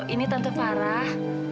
ini tante farah